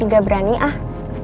gak berani ah